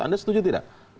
anda setuju tidak